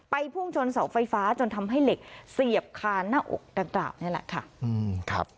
พุ่งชนเสาไฟฟ้าจนทำให้เหล็กเสียบคาหน้าอกดังกล่าวนี่แหละค่ะ